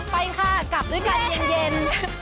ไปค่ะกลับด้วยกันเย็น